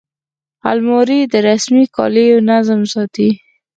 الماري د رسمي کالیو نظم ساتي